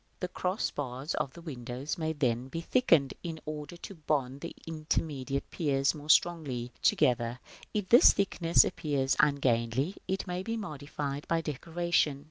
The cross bars of the windows may then be thickened, in order to bond the intermediate piers more strongly together, and if this thickness appear ungainly, it may be modified by decoration.